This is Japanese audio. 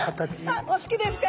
あお好きですか。